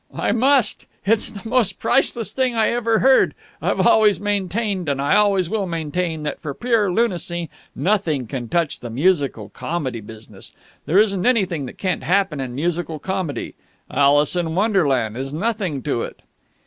"I must! It's the most priceless thing I ever heard. I've always maintained and I always will maintain that for pure lunacy nothing can touch the musical comedy business. There isn't anything that can't happen in musical comedy. 'Alice in Wonderland' is nothing to it."